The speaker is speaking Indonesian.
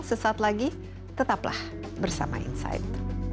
sesaat lagi tetaplah bersama insight